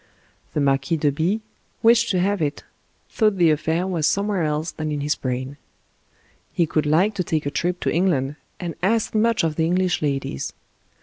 The Marquis de B wished to have it thought the affair was somewhere else than in his brain. " He could like to take a trip to England," and asked much of the English ladies.